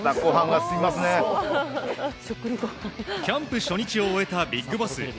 キャンプ初日を終えたビッグボス。